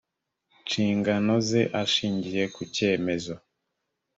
nshingano ze ashingiye ku cyemezo